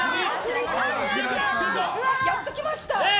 やってきました。